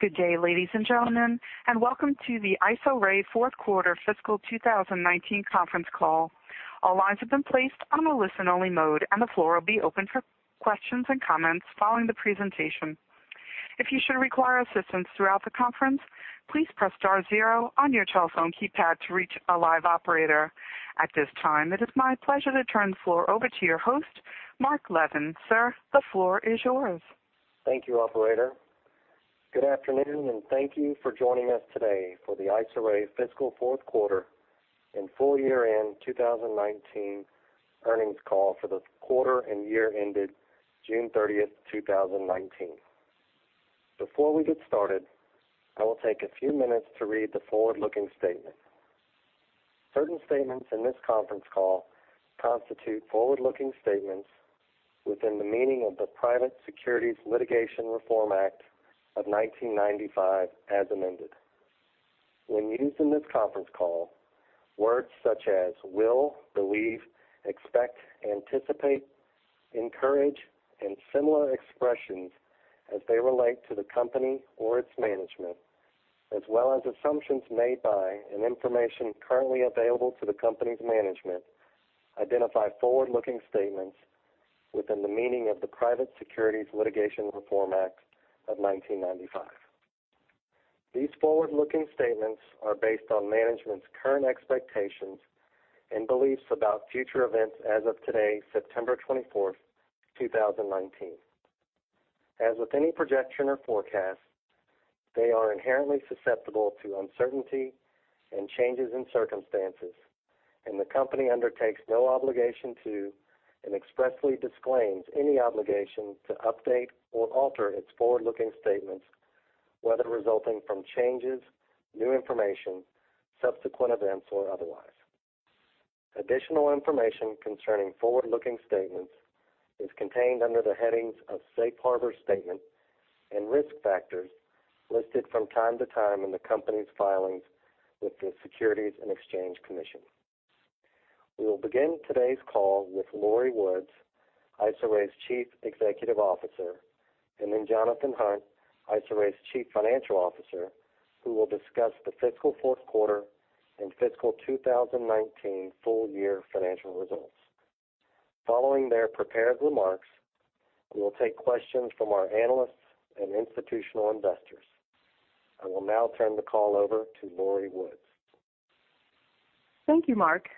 Good day, ladies and gentlemen, and welcome to the Isoray fourth quarter fiscal 2019 conference call. All lines have been placed on a listen-only mode, and the floor will be open for questions and comments following the presentation. If you should require assistance throughout the conference, please press star zero on your telephone keypad to reach a live operator. At this time, it is my pleasure to turn the floor over to your host, Mark Levin. Sir, the floor is yours. Thank you, operator. Good afternoon, and thank you for joining us today for the Isoray fiscal fourth quarter and full year-end 2019 earnings call for the quarter and year ended June 30th, 2019. Before we get started, I will take a few minutes to read the forward-looking statement. Certain statements in this conference call constitute forward-looking statements within the meaning of the Private Securities Litigation Reform Act of 1995, as amended. When used in this conference call, words such as will, believe, expect, anticipate, encourage, and similar expressions as they relate to the company or its management, as well as assumptions made by and information currently available to the company's management, identify forward-looking statements within the meaning of the Private Securities Litigation Reform Act of 1995. These forward-looking statements are based on management's current expectations and beliefs about future events as of today, September 24th, 2019. As with any projection or forecast, they are inherently susceptible to uncertainty and changes in circumstances, and the company undertakes no obligation to and expressly disclaims any obligation to update or alter its forward-looking statements, whether resulting from changes, new information, subsequent events, or otherwise. Additional information concerning forward-looking statements is contained under the headings of Safe Harbor Statement and Risk Factors listed from time to time in the company's filings with the Securities and Exchange Commission. We will begin today's call with Lori Woods, Isoray's Chief Executive Officer, and then Jonathan Hunt, Isoray's Chief Financial Officer, who will discuss the fiscal fourth quarter and fiscal 2019 full year financial results. Following their prepared remarks, we will take questions from our analysts and institutional investors. I will now turn the call over to Lori Woods. Thank you, Mark.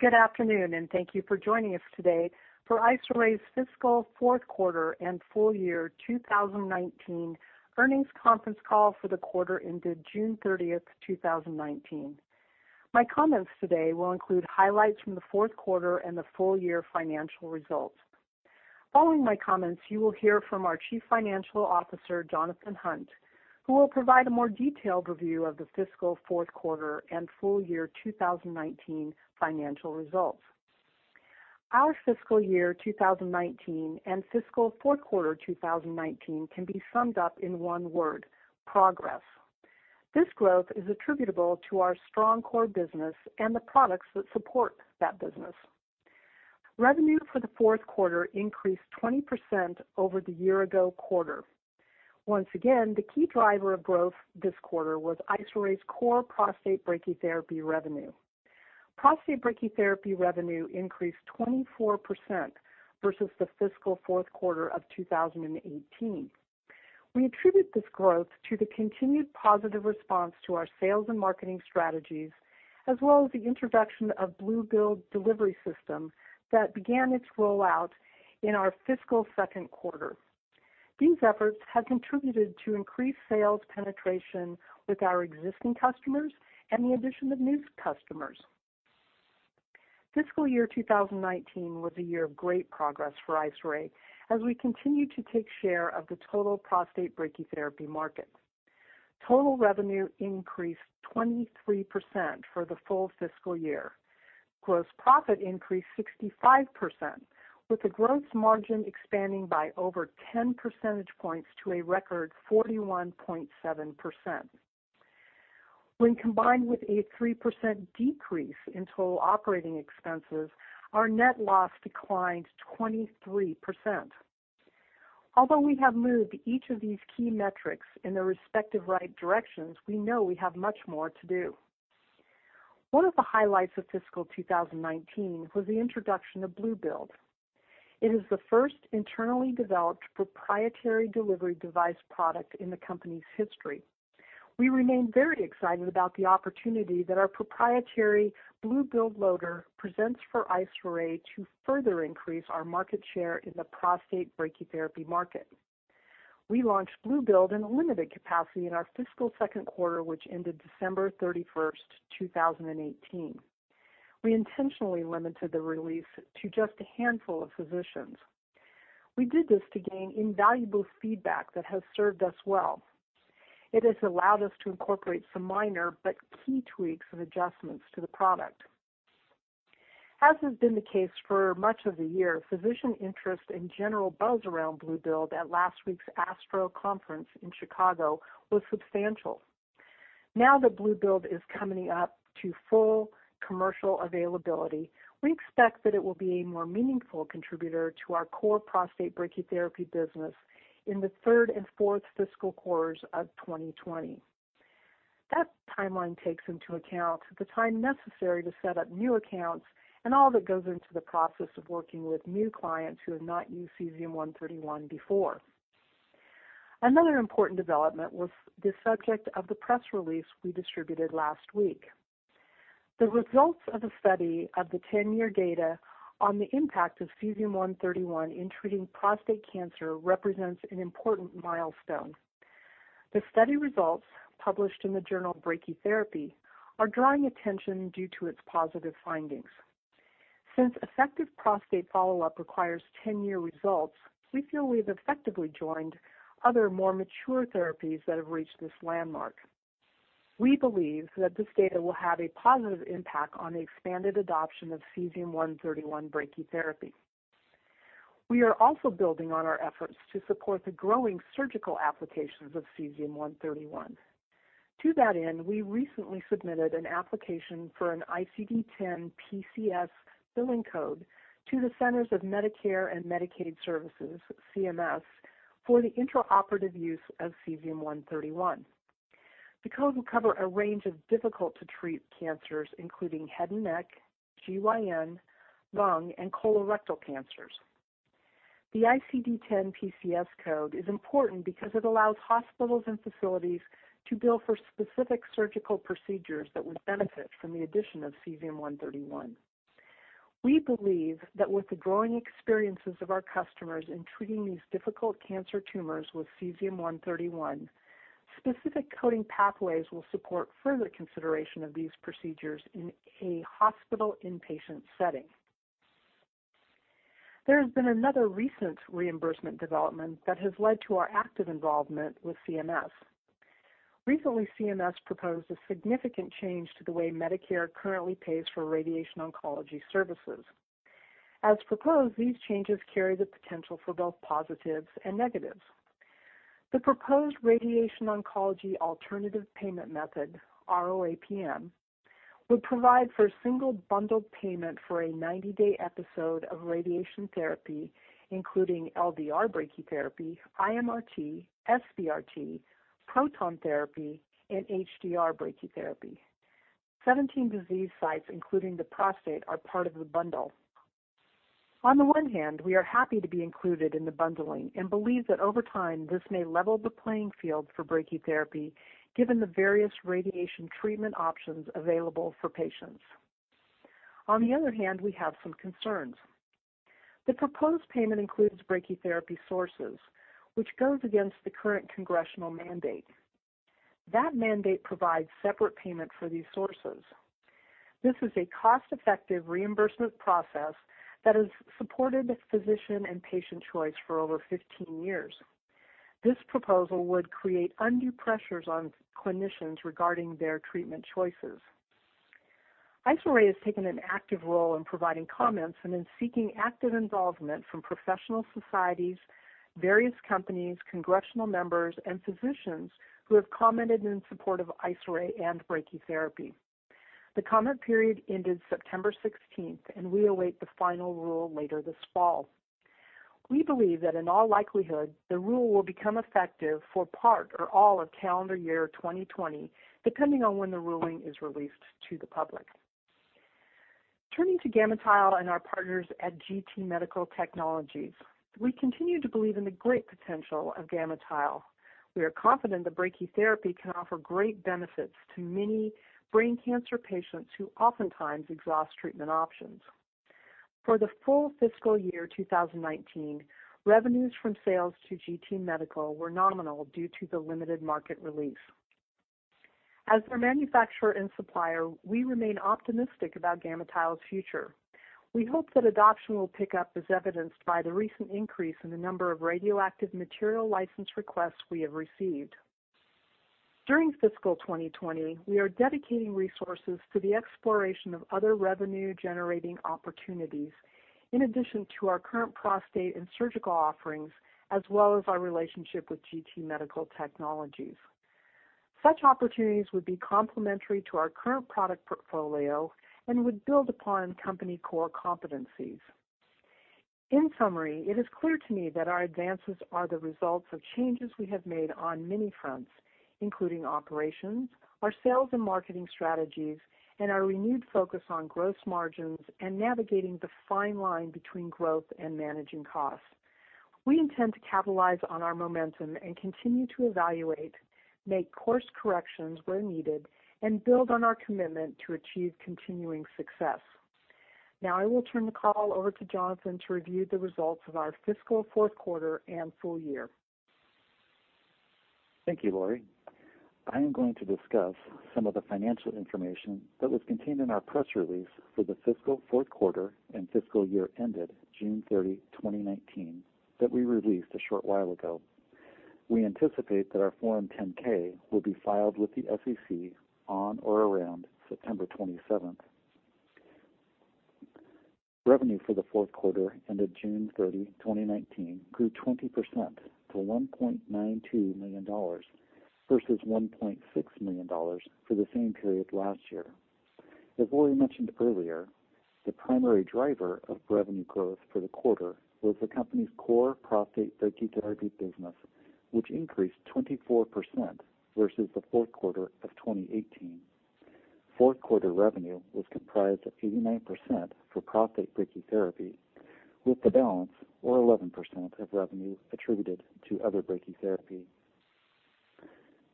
Good afternoon, and thank you for joining us today for Isoray's fiscal fourth quarter and full year 2019 earnings conference call for the quarter ended June 30th, 2019. My comments today will include highlights from the fourth quarter and the full year financial results. Following my comments, you will hear from our Chief Financial Officer, Jonathan Hunt, who will provide a more detailed review of the fiscal fourth quarter and full year 2019 financial results. Our fiscal year 2019 and fiscal fourth quarter 2019 can be summed up in one word: progress. This growth is attributable to our strong core business and the products that support that business. Revenue for the fourth quarter increased 20% over the year ago quarter. Once again, the key driver of growth this quarter was Isoray's core prostate brachytherapy revenue. Prostate brachytherapy revenue increased 24% versus the fiscal fourth quarter of 2018. We attribute this growth to the continued positive response to our sales and marketing strategies, as well as the introduction of Blu-Build delivery system that began its rollout in our fiscal second quarter. These efforts have contributed to increased sales penetration with our existing customers and the addition of new customers. Fiscal year 2019 was a year of great progress for Isoray as we continue to take share of the total prostate brachytherapy market. Total revenue increased 23% for the full fiscal year. Gross profit increased 65%, with the gross margin expanding by over 10 percentage points to a record 41.7%. When combined with a 3% decrease in total operating expenses, our net loss declined 23%. Although we have moved each of these key metrics in the respective right directions, we know we have much more to do. One of the highlights of fiscal 2019 was the introduction of Blu-Build. It is the first internally developed proprietary delivery device product in the company's history. We remain very excited about the opportunity that our proprietary Blu-Build loader presents for Isoray to further increase our market share in the prostate brachytherapy market. We launched Blu-Build in a limited capacity in our fiscal second quarter, which ended December 31st, 2018. We intentionally limited the release to just a handful of physicians. We did this to gain invaluable feedback that has served us well. It has allowed us to incorporate some minor but key tweaks and adjustments to the product. As has been the case for much of the year, physician interest and general buzz around Blu-Build at last week's ASTRO conference in Chicago was substantial. Now that Blu-Build is coming up to full commercial availability, we expect that it will be a more meaningful contributor to our core prostate brachytherapy business in the third and fourth fiscal quarters of 2020. That timeline takes into account the time necessary to set up new accounts and all that goes into the process of working with new clients who have not used Cesium-131 before. Another important development was the subject of the press release we distributed last week. The results of the study of the 10-year data on the impact of Cesium-131 in treating prostate cancer represents an important milestone. The study results, published in the journal "Brachytherapy," are drawing attention due to its positive findings. Since effective prostate follow-up requires 10-year results, we feel we've effectively joined other, more mature therapies that have reached this landmark. We believe that this data will have a positive impact on the expanded adoption of Cesium-131 brachytherapy. We are also building on our efforts to support the growing surgical applications of Cesium-131. To that end, we recently submitted an application for an ICD-10-PCS billing code to the Centers for Medicare & Medicaid Services, CMS, for the intraoperative use of Cesium-131. The code will cover a range of difficult-to-treat cancers, including head and neck, GYN, lung, and colorectal cancers. The ICD-10-PCS code is important because it allows hospitals and facilities to bill for specific surgical procedures that would benefit from the addition of Cesium-131. We believe that with the growing experiences of our customers in treating these difficult cancer tumors with Cesium-131, specific coding pathways will support further consideration of these procedures in a hospital inpatient setting. There has been another recent reimbursement development that has led to our active involvement with CMS. Recently, CMS proposed a significant change to the way Medicare currently pays for radiation oncology services. As proposed, these changes carry the potential for both positives and negatives. The proposed Radiation Oncology Alternative Payment Model, RO APM, would provide for a single bundled payment for a 90-day episode of radiation therapy, including LDR brachytherapy, IMRT, SBRT, proton therapy, and HDR brachytherapy. 17 disease sites, including the prostate, are part of the bundle. We are happy to be included in the bundling and believe that over time, this may level the playing field for brachytherapy given the various radiation treatment options available for patients. We have some concerns. The proposed payment includes brachytherapy sources, which goes against the current congressional mandate. That mandate provides separate payment for these sources. This is a cost-effective reimbursement process that has supported physician and patient choice for over 15 years. This proposal would create undue pressures on clinicians regarding their treatment choices. Isoray has taken an active role in providing comments and in seeking active involvement from professional societies, various companies, congressional members, and physicians who have commented in support of Isoray and brachytherapy. The comment period ended September 16th. We await the final rule later this fall. We believe that in all likelihood, the rule will become effective for part or all of calendar year 2020, depending on when the ruling is released to the public. Turning to GammaTile and our partners at GT Medical Technologies, we continue to believe in the great potential of GammaTile. We are confident that brachytherapy can offer great benefits to many brain cancer patients who oftentimes exhaust treatment options. For the full fiscal year 2019, revenues from sales to GT Medical were nominal due to the limited market release. As their manufacturer and supplier, we remain optimistic about GammaTile's future. We hope that adoption will pick up, as evidenced by the recent increase in the number of radioactive material license requests we have received. During fiscal 2020, we are dedicating resources to the exploration of other revenue-generating opportunities, in addition to our current prostate and surgical offerings, as well as our relationship with GT Medical Technologies. Such opportunities would be complementary to our current product portfolio and would build upon company core competencies. In summary, it is clear to me that our advances are the results of changes we have made on many fronts, including operations, our sales and marketing strategies, and our renewed focus on gross margins and navigating the fine line between growth and managing costs. We intend to capitalize on our momentum and continue to evaluate, make course corrections where needed, and build on our commitment to achieve continuing success. Now I will turn the call over to Jonathan to review the results of our fiscal fourth quarter and full year. Thank you, Lori. I am going to discuss some of the financial information that was contained in our press release for the fiscal fourth quarter and fiscal year ended June 30, 2019, that we released a short while ago. We anticipate that our Form 10-K will be filed with the SEC on or around September 27th. Revenue for the fourth quarter ended June 30, 2019, grew 20% to $1.92 million versus $1.6 million for the same period last year. As Lori mentioned earlier, the primary driver of revenue growth for the quarter was the company's core prostate Brachytherapy business, which increased 24% versus the fourth quarter of 2018. Fourth quarter revenue was comprised of 89% for prostate Brachytherapy, with the balance, or 11% of revenue, attributed to other Brachytherapy.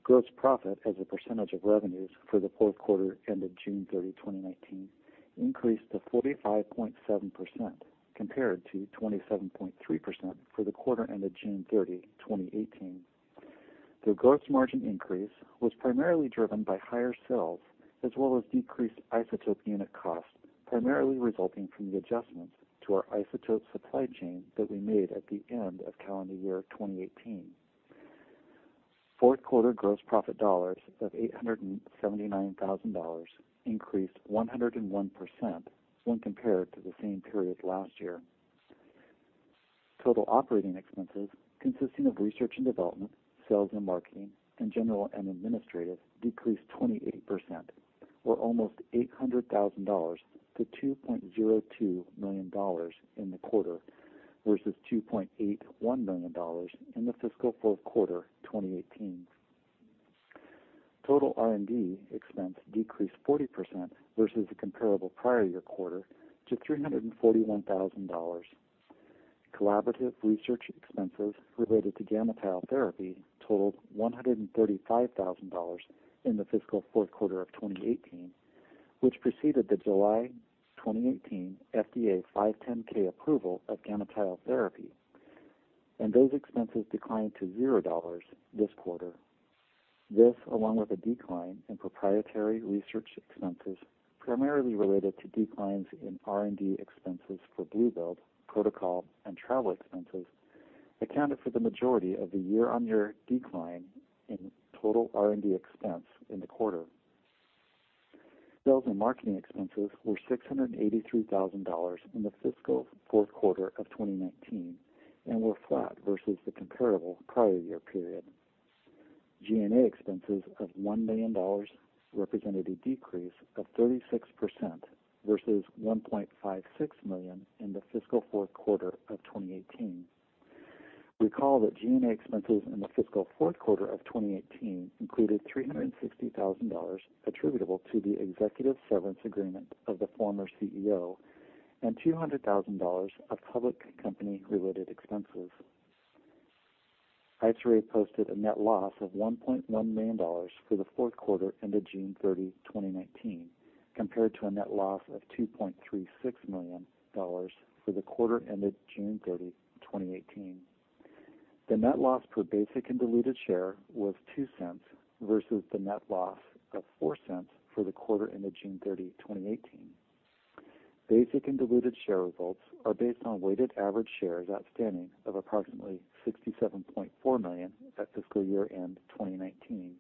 Gross profit as a percentage of revenues for the fourth quarter ended June 30, 2019, increased to 45.7%, compared to 27.3% for the quarter ended June 30, 2018. The gross margin increase was primarily driven by higher sales, as well as decreased isotope unit costs, primarily resulting from the adjustments to our isotope supply chain that we made at the end of calendar year 2018. Fourth quarter gross profit dollars of $879,000 increased 101% when compared to the same period last year. Total operating expenses, consisting of research and development, sales and marketing, and general and administrative, decreased 28%, or almost $800,000 to $2.02 million in the quarter, versus $2.81 million in the fiscal fourth quarter 2018. Total R&D expense decreased 40% versus the comparable prior year quarter to $341,000. Collaborative research expenses related to GammaTile therapy totaled $135,000 in the fiscal fourth quarter of 2018, which preceded the July 2018 FDA 510(k) approval of GammaTile therapy. Those expenses declined to $0 this quarter. This, along with a decline in proprietary research expenses, primarily related to declines in R&D expenses for Blu-Build, protocol, and travel expenses, accounted for the majority of the year-on-year decline in total R&D expense in the quarter. Sales and marketing expenses were $683,000 in the fiscal fourth quarter of 2019 and were flat versus the comparable prior year period. G&A expenses of $1 million represented a decrease of 36% versus $1.56 million in the fiscal fourth quarter of 2018. Recall that G&A expenses in the fiscal fourth quarter of 2018 included $360,000 attributable to the executive severance agreement of the former CEO and $200,000 of public company-related expenses. Isoray posted a net loss of $1.1 million for the fourth quarter ended June 30, 2019, compared to a net loss of $2.36 million for the quarter ended June 30, 2018. The net loss per basic and diluted share was $0.02 versus the net loss of $0.04 for the quarter ended June 30, 2018. Basic and diluted share results are based on weighted average shares outstanding of approximately 67.4 million at fiscal year-end 2019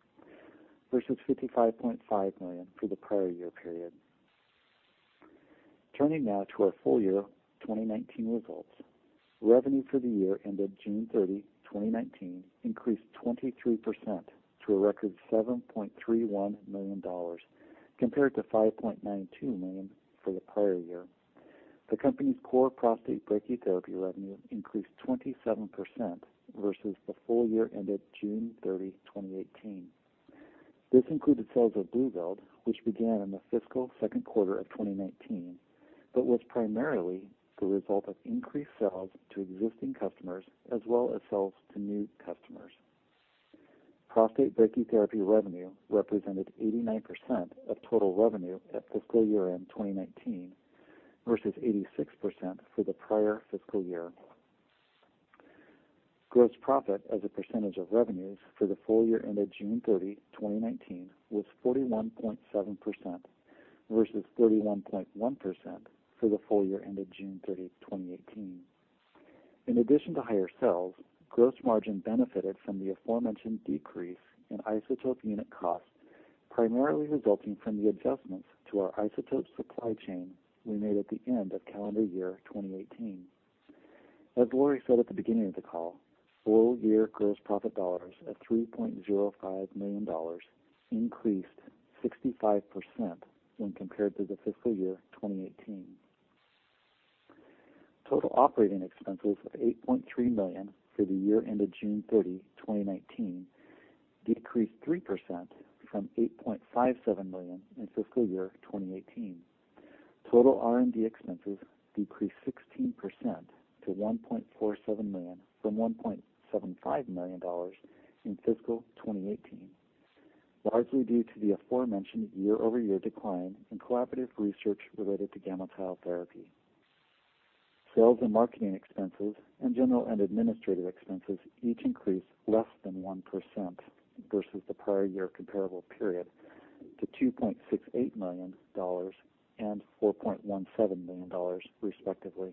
versus 55.5 million for the prior year period. Turning now to our full year 2019 results. Revenue for the year ended June 30, 2019, increased 23% to a record $7.31 million compared to $5.92 million for the prior year. The company's core prostate brachytherapy revenue increased 27% versus the full year ended June 30, 2018. This included sales of Blu-Build, which began in the fiscal second quarter of 2019, but was primarily the result of increased sales to existing customers as well as sales to new customers. Prostate brachytherapy revenue represented 89% of total revenue at fiscal year-end 2019 versus 86% for the prior fiscal year. Gross profit as a percentage of revenues for the full year ended June 30, 2019, was 41.7% versus 31.1% for the full year ended June 30, 2018. In addition to higher sales, gross margin benefited from the aforementioned decrease in isotope unit costs, primarily resulting from the adjustments to our isotope supply chain we made at the end of calendar year 2018. As Lori said at the beginning of the call, full-year gross profit dollars of $3.05 million increased 65% when compared to the fiscal year 2018. Total operating expenses of $8.3 million for the year ended June 30, 2019, decreased 3% from $8.57 million in fiscal year 2018. Total R&D expenses decreased 16% to $1.47 million from $1.75 million in fiscal 2018, largely due to the aforementioned year-over-year decline in collaborative research related to GammaTile therapy. Sales and marketing expenses and general and administrative expenses each increased less than 1% versus the prior year comparable period to $2.68 million and $4.17 million, respectively.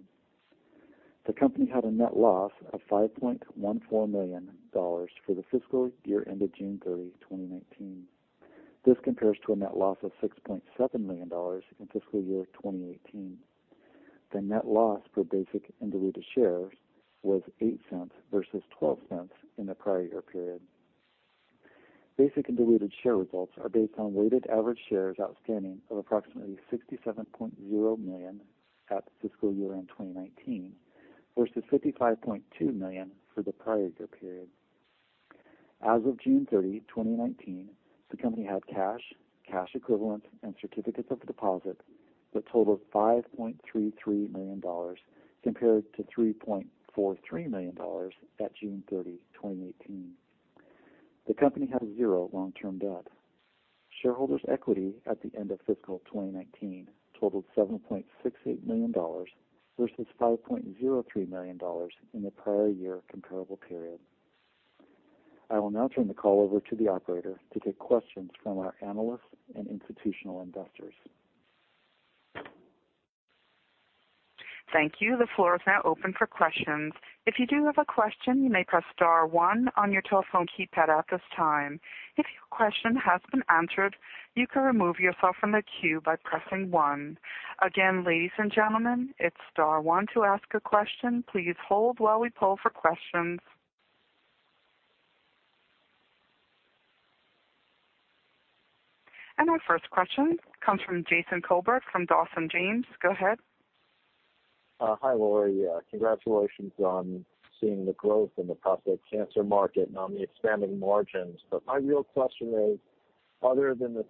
The company had a net loss of $5.14 million for the fiscal year ended June 30, 2019. This compares to a net loss of $6.7 million in fiscal year 2018. The net loss per basic and diluted shares was $0.08 versus $0.12 in the prior year period. Basic and diluted share results are based on weighted average shares outstanding of approximately 67.0 million at fiscal year-end 2019 versus 55.2 million for the prior year period. As of June 30, 2019, the company had cash equivalents, and certificates of deposit that total $5.33 million compared to $3.43 million at June 30, 2018. The company had zero long-term debt. Shareholders' equity at the end of fiscal 2019 totaled $7.68 million versus $5.03 million in the prior year comparable period. I will now turn the call over to the operator to take questions from our analysts and institutional investors. Thank you. The floor is now open for questions. If you do have a question, you may press star 1 on your telephone keypad at this time. If your question has been answered, you can remove yourself from the queue by pressing 1. Again, ladies and gentlemen, it's star 1 to ask a question. Please hold while we poll for questions. Our first question comes from Jason Kolbert from Dawson James. Go ahead. Hi, Lori. Congratulations on seeing the growth in the prostate cancer market and on the expanding margins. My real question is, other than the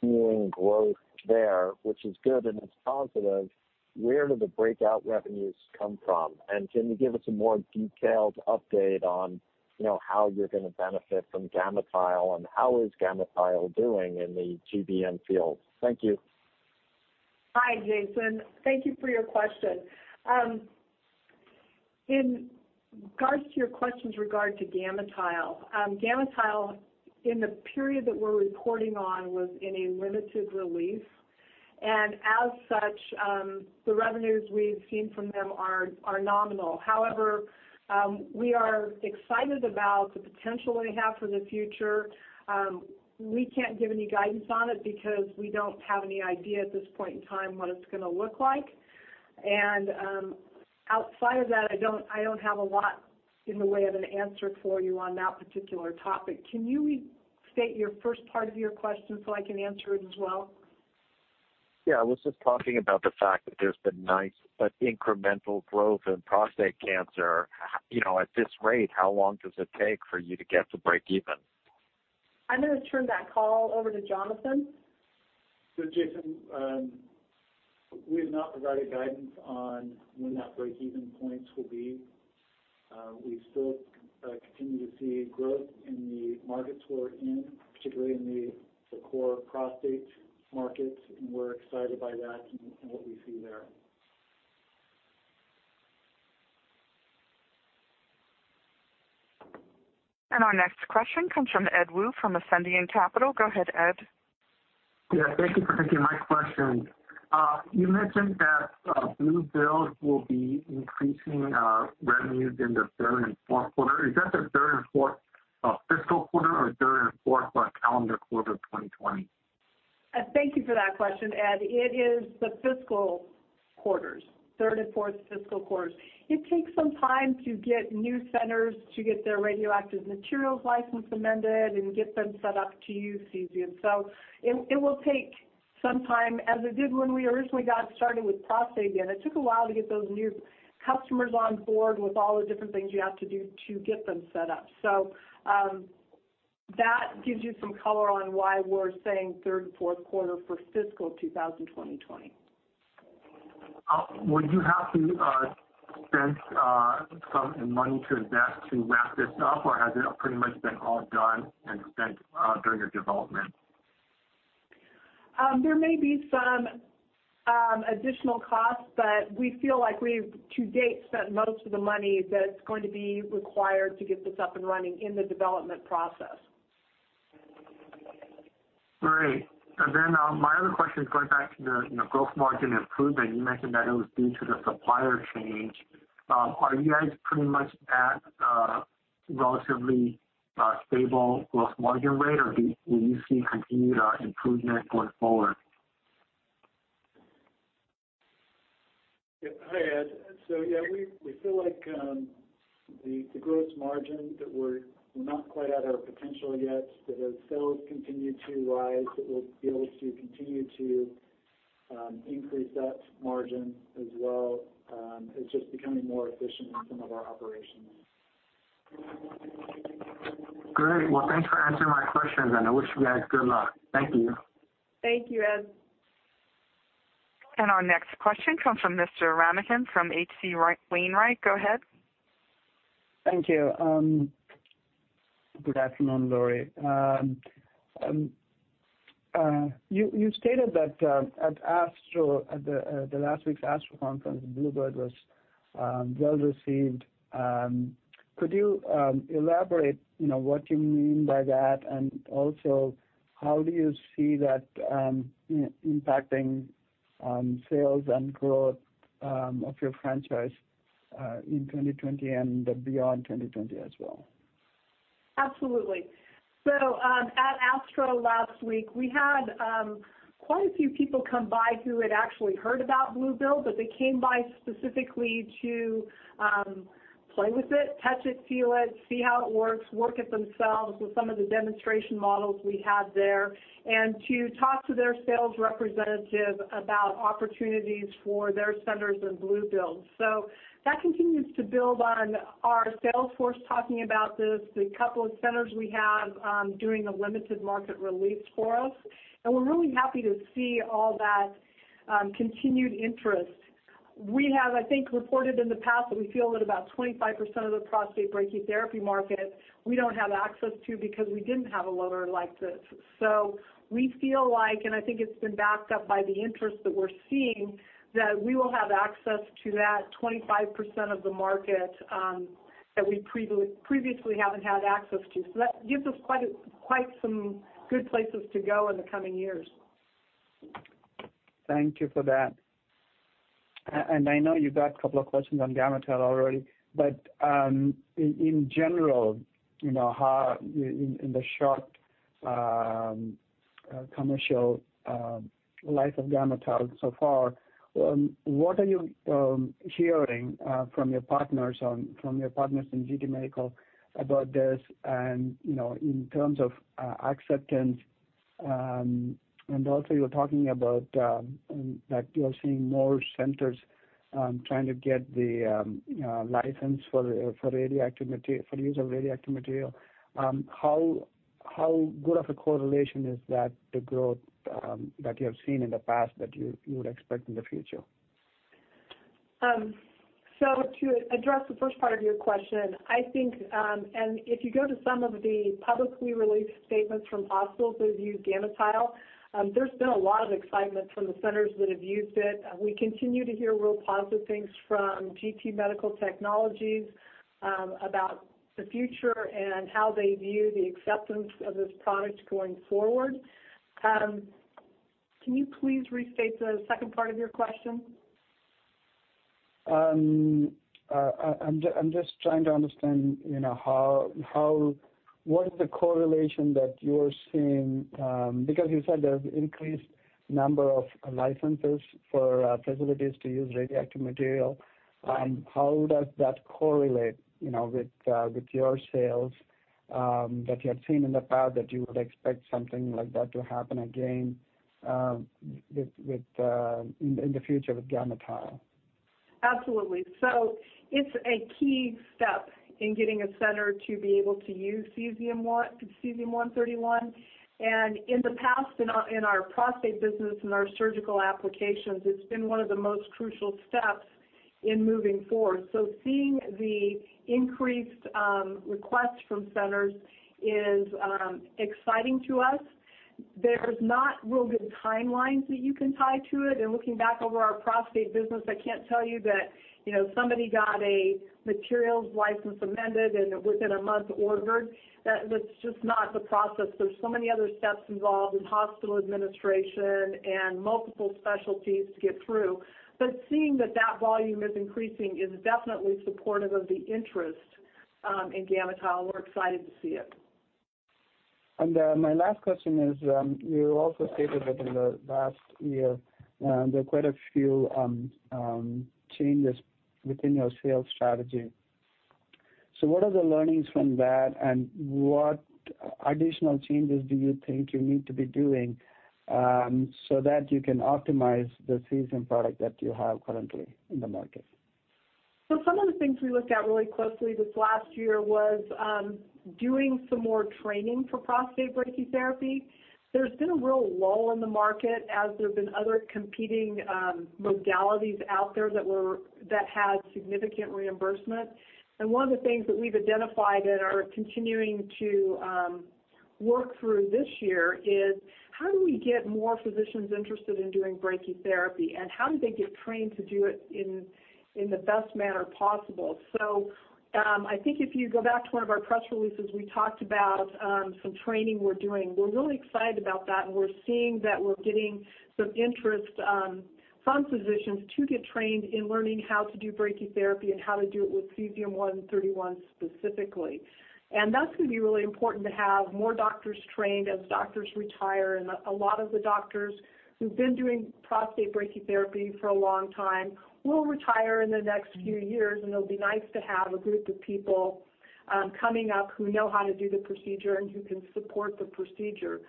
seeing growth there, which is good and it's positive, where do the breakout revenues come from? Can you give us a more detailed update on how you're going to benefit from GammaTile and how is GammaTile doing in the GBM field? Thank you. Hi, Jason. Thank you for your question. In regards to your questions regarding GammaTile, in the period that we're reporting on, was in a limited release. As such, the revenues we've seen from them are nominal. However, we are excited about the potential they have for the future. We can't give any guidance on it because we don't have any idea at this point in time what it's going to look like. Outside of that, I don't have a lot in the way of an answer for you on that particular topic. Can you restate your first part of your question so I can answer it as well? Yeah, I was just talking about the fact that there's been nice but incremental growth in prostate cancer. At this rate, how long does it take for you to get to breakeven? I'm going to turn that call over to Jonathan. Jason, we have not provided guidance on when that breakeven points will be. We still continue to see growth in the markets we're in, particularly in the core prostate markets, and we're excited by that and what we see there. Our next question comes from Ed Woo from Ascendiant Capital Markets. Go ahead, Ed. Yeah, thank you for taking my question. You mentioned that Blu-Build will be increasing revenues in the third and fourth quarter. Is that the third and fourth fiscal quarter or third and fourth calendar quarter 2020? Thank you for that question, Ed. It is the fiscal quarters, third and fourth fiscal quarters. It takes some time to get new centers to get their radioactive materials license amended and get them set up to use cesium. It will take some time, as it did when we originally got started with prostate. Again, it took a while to get those new customers on board with all the different things you have to do to get them set up. That gives you some color on why we're saying third and fourth quarter for fiscal 2020. Would you have to spend some money to invest to wrap this up, or has it pretty much been all done and spent during your development? There may be some additional costs, but we feel like we've, to date, spent most of the money that's going to be required to get this up and running in the development process. Great. My other question is going back to the gross margin improvement. You mentioned that it was due to the supplier change. Are you guys pretty much at a relatively stable gross margin rate, or do you see continued improvement going forward? Hi, Ed. Yeah, we feel like the gross margin that we're not quite at our potential yet. As sales continue to rise, that we'll be able to continue to increase that margin as well, is just becoming more efficient in some of our operations. Great. Well, thanks for answering my questions, and I wish you guys good luck. Thank you. Thank you, Ed. Our next question comes from Mr. Ramakanth from H.C. Wainwright. Go ahead. Thank you. Good afternoon, Lori. You stated that at the last week's Astro conference, Blu-Build was well received. Could you elaborate what you mean by that? Also, how do you see that impacting sales and growth of your franchise in 2020 and beyond 2020 as well? Absolutely. At ASTRO last week, we had quite a few people come by who had actually heard about Blu-Build, but they came by specifically to play with it, touch it, feel it, see how it works, work it themselves with some of the demonstration models we had there, and to talk to their sales representative about opportunities for their centers and Blu-Build. That continues to build on our sales force talking about this, the couple of centers we have doing a limited market release for us. We're really happy to see all that continued interest. We have, I think, reported in the past that we feel that about 25% of the prostate brachytherapy market we don't have access to because we didn't have a loader like this. We feel like, and I think it's been backed up by the interest that we're seeing, that we will have access to that 25% of the market that we previously haven't had access to. That gives us quite some good places to go in the coming years. Thank you for that. I know you got a couple of questions on GammaTile already, in general, in the short commercial life of GammaTile so far, what are you hearing from your partners in GT Medical about this and in terms of acceptance? Also you're talking about that you are seeing more centers trying to get the license for use of radioactive material. How good of a correlation is that the growth that you have seen in the past that you would expect in the future? To address the first part of your question, I think, and if you go to some of the publicly released statements from hospitals who've used GammaTile, there's been a lot of excitement from the centers that have used it. We continue to hear real positive things from GT Medical Technologies about the future and how they view the acceptance of this product going forward. Can you please restate the second part of your question? I'm just trying to understand what is the correlation that you're seeing, because you said there's increased number of licenses for facilities to use radioactive material. How does that correlate with your sales, that you have seen in the past that you would expect something like that to happen again in the future with GammaTile? Absolutely. It's a key step in getting a center to be able to use Cesium-131, and in the past, in our prostate business and our surgical applications, it's been one of the most crucial steps in moving forward. Seeing the increased requests from centers is exciting to us. There's not real good timelines that you can tie to it. Looking back over our prostate business, I can't tell you that somebody got a materials license amended and within a month ordered. That's just not the process. There's so many other steps involved in hospital administration and multiple specialties to get through. Seeing that that volume is increasing is definitely supportive of the interest in GammaTile. We're excited to see it. My last question is, you also stated that in the last year, there are quite a few changes within your sales strategy. What are the learnings from that, and what additional changes do you think you need to be doing so that you can optimize the Cesium product that you have currently in the market? Some of the things we looked at really closely this last year was doing some more training for prostate brachytherapy. There's been a real lull in the market as there's been other competing modalities out there that had significant reimbursement. One of the things that we've identified and are continuing to work through this year is how do we get more physicians interested in doing brachytherapy, and how do they get trained to do it in the best manner possible? I think if you go back to one of our press releases, we talked about some training we're doing. We're really excited about that, and we're seeing that we're getting some interest from physicians to get trained in learning how to do brachytherapy and how to do it with Cesium-131 specifically. That's going to be really important to have more doctors trained as doctors retire. A lot of the doctors who've been doing prostate brachytherapy for a long time will retire in the next few years, and it'll be nice to have a group of people coming up who know how to do the procedure and who can support the procedure.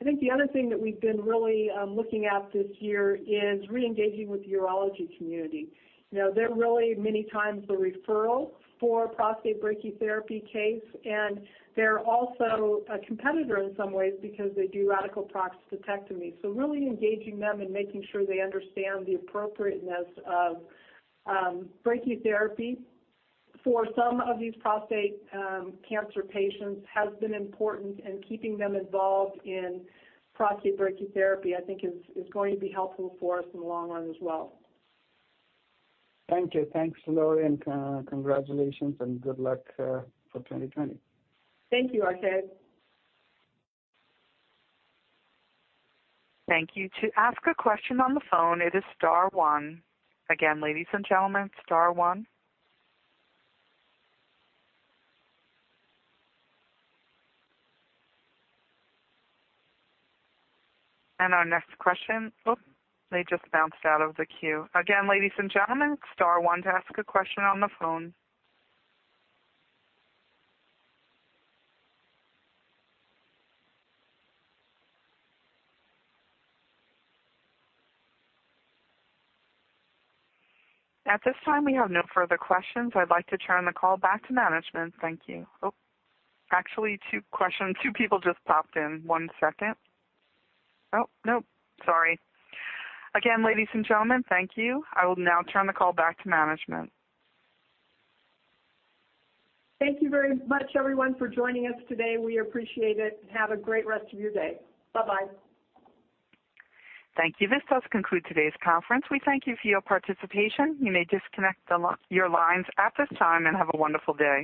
I think the other thing that we've been really looking at this year is re-engaging with the urology community. They're really many times the referral for a prostate brachytherapy case, and they're also a competitor in some ways because they do radical prostatectomy. Really engaging them and making sure they understand the appropriateness of brachytherapy for some of these prostate cancer patients has been important, and keeping them involved in prostate brachytherapy, I think, is going to be helpful for us in the long run as well. Thank you. Thanks, Lori, and congratulations and good luck for 2020. Thank you, Ramakanth. Thank you. To ask a question on the phone, it is star one. Again, ladies and gentlemen, star one. Our next question. Oops, they just bounced out of the queue. Again, ladies and gentlemen, star one to ask a question on the phone. At this time, we have no further questions. I'd like to turn the call back to management. Thank you. Actually, two questions. Two people just popped in. One second. Nope. Sorry. Again, ladies and gentlemen, thank you. I will now turn the call back to management. Thank you very much, everyone, for joining us today. We appreciate it, and have a great rest of your day. Bye-bye. Thank you. This does conclude today's conference. We thank you for your participation. You may disconnect your lines at this time, and have a wonderful day.